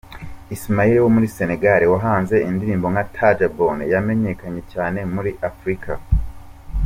Ismaël Lô wo muri Senegal wahanze indirimbo ’Tajabone’ yamenyekanye cyane muri Afurika